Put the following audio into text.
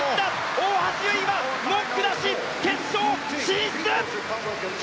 大橋悠依は文句なし、決勝進出！